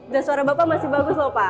dan suara bapak masih bagus lho pak